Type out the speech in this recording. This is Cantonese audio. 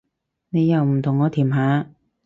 你又唔同我甜下